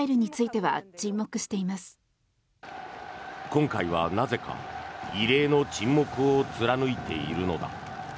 今回はなぜか異例の沈黙を貫いているのだ。